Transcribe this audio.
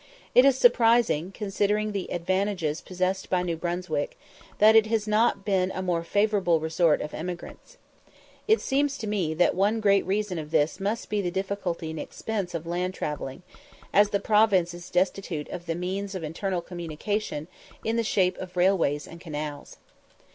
It is surprising, considering the advantages possessed by New Brunswick, that it has not been a more favourite resort of emigrants. It seems to me that one great reason of this must be the difficulty and expense of land travelling, as the province is destitute of the means of internal communication in the shape of railways and canals.